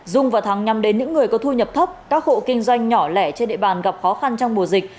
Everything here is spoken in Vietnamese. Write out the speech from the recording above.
dung và thắng nhằm đến những người có thu nhập thấp các hộ kinh doanh nhỏ lẻ trên địa bàn gặp khó khăn trong mùa dịch